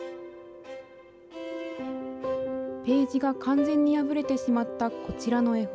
ページが完全に破れてしまったこちらの絵本。